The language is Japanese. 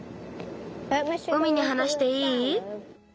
海にはなしていい？